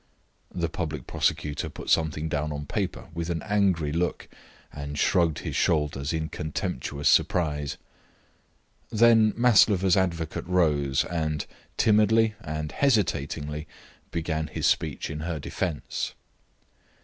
The public prosecutor put something down on paper with an angry look, and shrugged his shoulders in contemptuous surprise. Then Maslova's advocate rose, and timidly and hesitatingly began his speech in her defence.